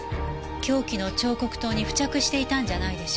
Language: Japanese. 凶器の彫刻刀に付着していたんじゃないでしょうか？